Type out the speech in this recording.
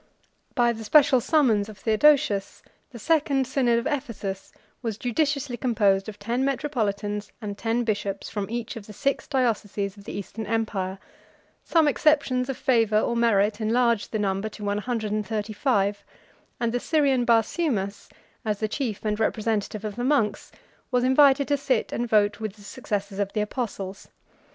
By the special summons of Theodosius, the second synod of Ephesus was judiciously composed of ten metropolitans and ten bishops from each of the six dioceses of the Eastern empire: some exceptions of favor or merit enlarged the number to one hundred and thirty five; and the Syrian Barsumas, as the chief and representative of the monks, was invited to sit and vote with the successors of the apostles.